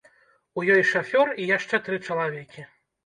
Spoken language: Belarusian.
У ёй шафёр і яшчэ тры чалавекі.